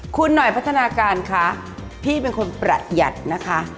คุณหน่อยพัฒนาการคะพี่เป็นคนประหยัดนะคะ